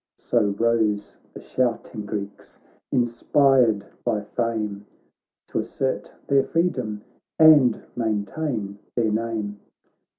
So rose the shouting Greeks, inspired by fame T' assert their freedom and maintain their name.